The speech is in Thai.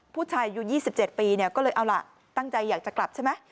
ผู้ชายอายุ๒๗ปีก็เลยเอาล่ะตั้งใจอยากจะกลับใช่ไหม